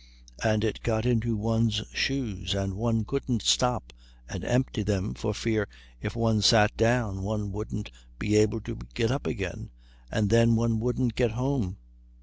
And it got into one's shoes, and one couldn't stop and empty them for fear if one sat down one wouldn't be able to get up again, and then one wouldn't get home.